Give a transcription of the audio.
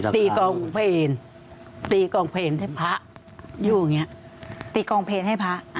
ตีกองเพลงตีกองเพลงให้พระอยู่อย่างเงี้ยตีกองเพลงให้พระ